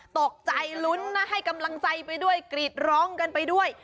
ตกใจลุ้นนะให้กำลังใจไปด้วยกรีดร้องกันไปด้วย